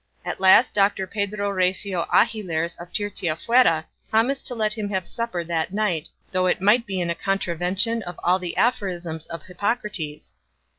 At last Doctor Pedro Recio Agilers of Tirteafuera promised to let him have supper that night though it might be in contravention of all the aphorisms of Hippocrates.